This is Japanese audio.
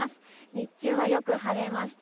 日中はよく晴れました。